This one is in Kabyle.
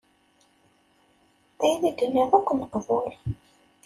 Ayen i d-tenniḍ akk meqbul.